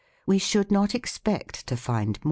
We should not expect to find more.